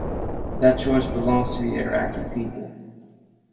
That choice belongs to the Iraqi people.